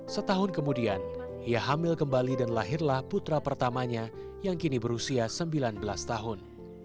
setahun kemudian ia hamil kembali dan lahirlah putra pertamanya yang kini berusia sembilan belas tahun